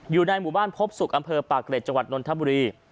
อยู่ในหมู่บ้านพบศุกร์อำเภอปากเกร็ดจังหวัดนนทบุรี